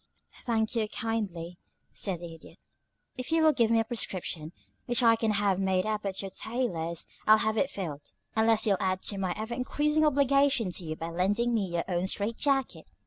"Thank you, kindly," said the Idiot. "If you'll give me a prescription, which I can have made up at your tailor's, I'll have it filled, unless you'll add to my ever increasing obligation to you by lending me your own strait jacket.